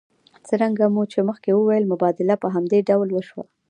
څرنګه مو چې مخکې وویل مبادله په همدې ډول وشوه